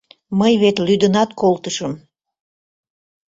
Мый вет лӱдынат колтышым.